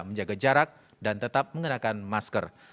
menjaga jarak dan tetap mengenakan masker